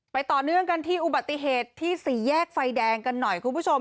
ต่อเนื่องกันที่อุบัติเหตุที่สี่แยกไฟแดงกันหน่อยคุณผู้ชม